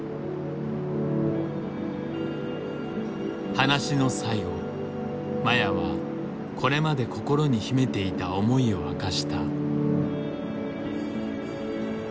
話の最後麻也はこれまで心に秘めていた思いを明かした。